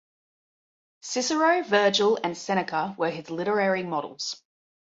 Cicero, Virgil, and Seneca were his literary models.